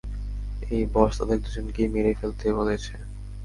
এই, বস তাদের দুজনকেই মেরে ফেলতে বলেছে।